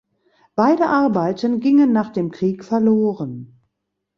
Beide Arbeiten gingen nach dem Krieg verloren.